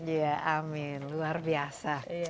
iya amin luar biasa